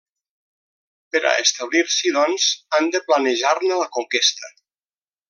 Per a establir-s'hi, doncs, han de planejar-ne la conquesta.